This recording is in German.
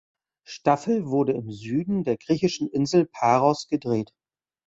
Staffel wurde im Süden der griechischen Insel Paros gedreht.